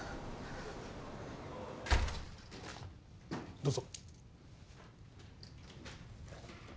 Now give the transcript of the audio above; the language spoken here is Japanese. どうぞ。